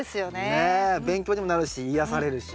ねえ勉強にもなるし癒やされるし。